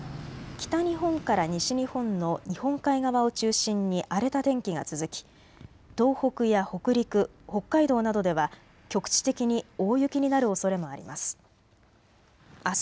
北日本から西日本の日本海側を中心に荒れた天気が続き東北や北陸、北海道などでは局地的に大雪になるおそれもあります。